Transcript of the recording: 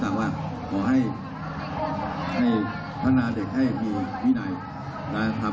และทำวินัยสำคัญที่สุดวินัยของคนในชาติ